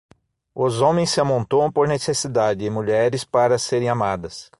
Os homens se amontoam por necessidade e mulheres, para serem amadas.